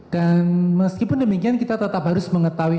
dan meskipun demikian kita tetap harus mengetahui